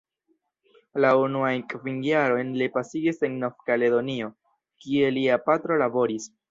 La unuajn kvin jarojn li pasigis en Nov-Kaledonio, kie lia patro laboris.